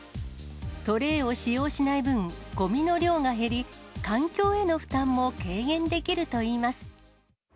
トレーを使用しない分、ごみの量が減り、環境への負担も軽減できるといいます。